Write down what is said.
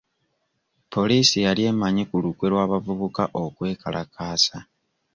Poliisi yali emanyi ku lukwe lw'abavubuka okwekalakaasa.